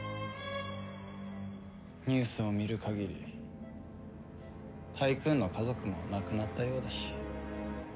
ニュースを見る限りタイクーンの家族も亡くなったようだし。